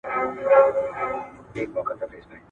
باسواده نجوني هيڅکله په ژوند کي نه مايوسه کيږي.